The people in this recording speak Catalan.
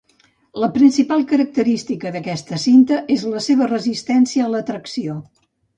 La principal característica d'aquesta cinta és la seva resistència a la tracció.